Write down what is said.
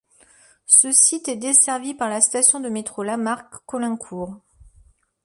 Ce site est desservi par la station de métro Lamarck - Caulaincourt.